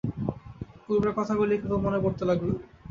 পূর্বের কথাগুলিই কেবল মনে পড়তে লাগল।